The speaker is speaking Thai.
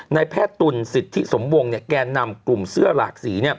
ในแพทย์ตุลสิทธิสมวงแก่นำกลุ่มเสื้อหลากสี